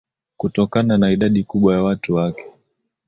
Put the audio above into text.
Kutokana na idadi kubwa ya watu wake